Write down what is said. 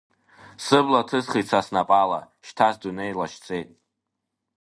Сыбла ҭысхит са снапала, шьҭа сдунеи лашьцеит.